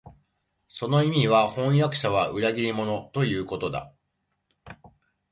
その意味は、飜訳者は裏切り者、ということだ